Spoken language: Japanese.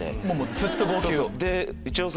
ずっと号泣。